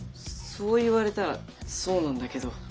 そう言われたらそうなんだけど。